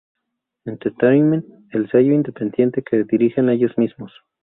Entertainment, el sello independiente que dirigen ellos mismos.